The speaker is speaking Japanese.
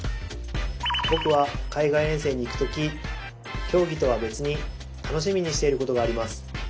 僕は海外遠征に行く時競技とは別に楽しみにしていることがあります。